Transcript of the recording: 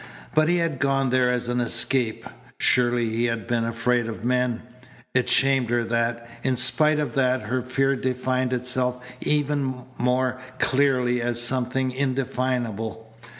But he had gone there as an escape. Surely he had been afraid of men. It shamed her that, in spite of that, her fear defined itself ever more clearly as something indefinable.